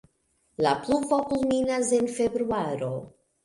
La pluvo kulminas en februaro.